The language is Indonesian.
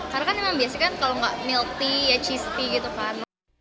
karena kan emang biasanya kan kalau enggak milk tea ya cheese tea gitu kan